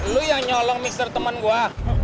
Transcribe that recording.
lu yang nyolong mixer temen gua